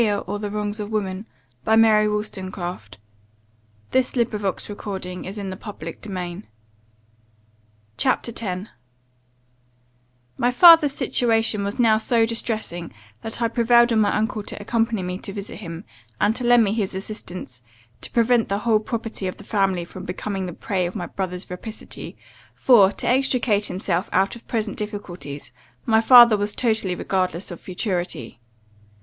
An episode seems to have been intended, which was never committed to paper. EDITOR. [Godwin's note] CHAPTER 10 "MY FATHER'S situation was now so distressing, that I prevailed on my uncle to accompany me to visit him; and to lend me his assistance, to prevent the whole property of the family from becoming the prey of my brother's rapacity; for, to extricate himself out of present difficulties, my father was totally regardless of futurity.